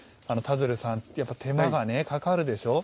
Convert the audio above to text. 田鶴さん、手間がかかるでしょう。